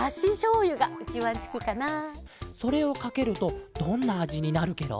それをかけるとどんなあじになるケロ？